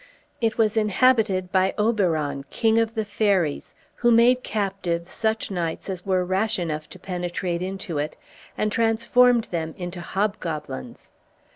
It was inhabited by Oberon, King of the Fairies, who made captive such knights as were rash enough to penetrate into it, and transformed them into Hobgoblins.